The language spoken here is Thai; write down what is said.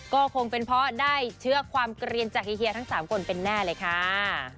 ก็คงเป็นเพราะได้เชื่อความเกลียนจากเฮียทั้ง๓คนเป็นแน่เลยค่ะ